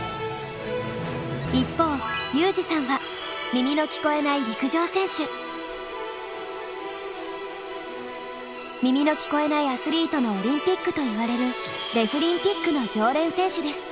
一方裕士さんは耳の聞こえないアスリートのオリンピックといわれるデフリンピックの常連選手です。